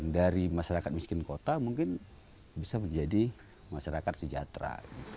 dari masyarakat miskin kota mungkin bisa menjadi masyarakat sejahtera